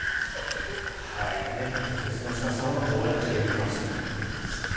雌の鹿さんはこうやってけんかをするということです。